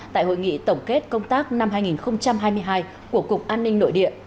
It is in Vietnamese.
tại hội nghị tổng kết công tác năm hai nghìn hai mươi hai của cục an ninh nội địa